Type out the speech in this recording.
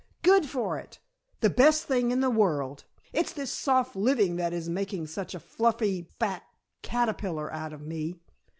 "Good for it! The best thing in the world. It's this soft living that is making such a fluffy, fat caterpillar out of me."